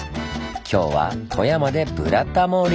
今日は富山で「ブラタモリ」！